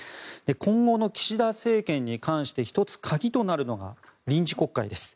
今後の岸田政権に関して１つ、鍵となるのが臨時国会です。